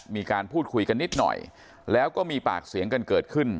มีการพูดคุยกันนิดหน่อยแล้วก็มีปากเสียงกันเกิดขึ้น